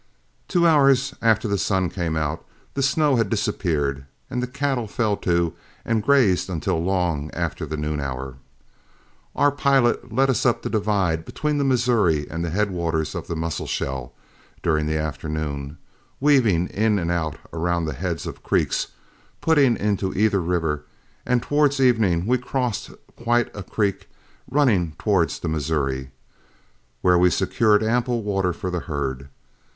Two hours after the sun came out, the snow had disappeared, and the cattle fell to and grazed until long after the noon hour. Our pilot led us up the divide between the Missouri and the headwaters of the Musselshell during the afternoon, weaving in and out around the heads of creeks putting into either river; and towards evening we crossed quite a creek running towards the Missouri, where we secured ample water for the herd.